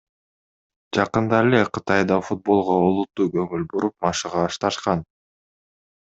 Жакында эле Кытайда футболго олуттуу көңүл буруп машыга башташкан.